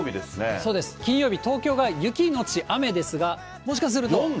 そうです、金曜日、東京が雪後雨ですが、もしかすると。